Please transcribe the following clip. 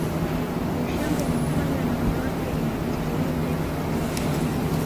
Ushanga unaofanywa na wanawake una historia ndefu kati ya Wamasai